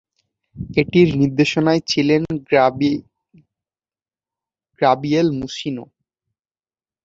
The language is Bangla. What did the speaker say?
এটির নির্দেশনায় ছিলেন গ্যাব্রিয়েল মুসিনো।